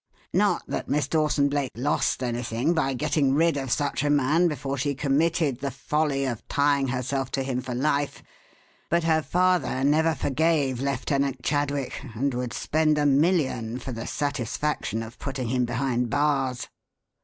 Not that Miss Dawson Blake lost anything by getting rid of such a man before she committed the folly of tying herself to him for life, but her father never forgave Lieutenant Chadwick and would spend a million for the satisfaction of putting him behind bars."